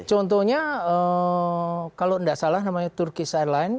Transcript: contohnya kalau tidak salah namanya turkish airlines